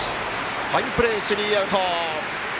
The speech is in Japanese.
ファインプレー、スリーアウト。